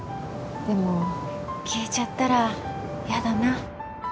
でも消えちゃったらやだな